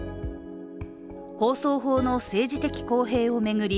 放送法の政治的公平を巡り